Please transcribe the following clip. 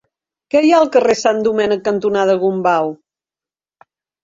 Què hi ha al carrer Sant Domènec cantonada Gombau?